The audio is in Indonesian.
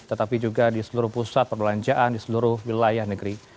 tetapi juga di seluruh pusat perbelanjaan di seluruh wilayah negeri